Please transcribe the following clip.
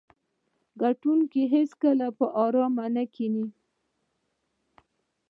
ګټونکي هیڅکله په ارامه نه کیني.